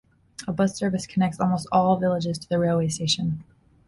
A bus service connects almost all villages to the railway station.